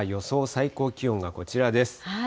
最高気温がこちらです。